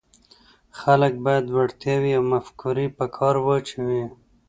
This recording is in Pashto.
خلک باید وړتیاوې او مفکورې په کار واچوي.